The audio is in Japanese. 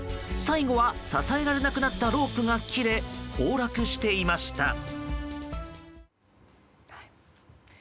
最後は、支えられなくなったロープが切れ崩落していました。